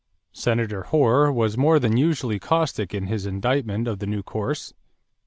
Senator Hoar was more than usually caustic in his indictment of the new course.